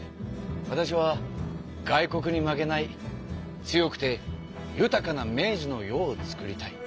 わたしは外国に負けない強くて豊かな明治の世をつくりたい。